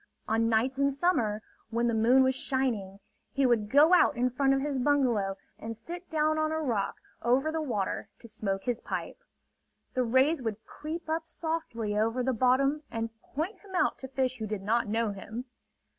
On nights in summer, when the moon was shining, he would go out in front of his bungalow and sit down on a rock over the water to smoke his pipe. The rays would creep up softly over the bottom and point him out to fish who did not know him.